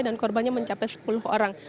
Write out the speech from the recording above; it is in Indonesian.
dan korbannya mencapai sepuluh orang